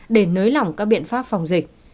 để nới lỏng các biện pháp phòng dịch